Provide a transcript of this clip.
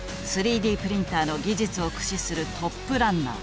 ３Ｄプリンターの技術を駆使するトップランナー。